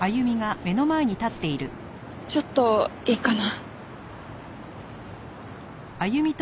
ちょっといいかな。